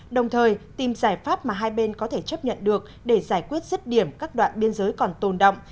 đồng thời tìm giải pháp mà hai bên có thể chấp nhận được để giải quyết rứt điểm các đoạn biên giới còn tồn động